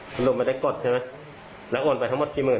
คุณลุงไม่ได้กดใช่ไหมแล้วโอนไปทั้งหมดกี่หมื่น